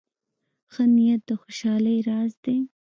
ښه نیت د خوشحالۍ راز دی.